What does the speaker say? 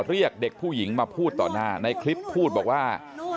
เรียกเด็กผู้หญิงมาพูดต่อหน้าในคลิปพูดบอกว่า